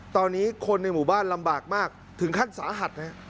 ตอนนี้คนในหมู่บ้านลำบากมากถึงขั้นสาหัสนะฮะ